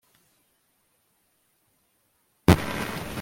intumwa zihuriza hamwe mu kuvuga